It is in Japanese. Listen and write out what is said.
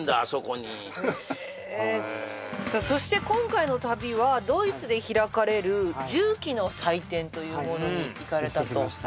そして今回の旅はドイツで開かれる重機の祭典というものに行かれたと行ってきました